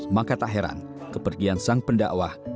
maka tak heran kepergian sang pendakwah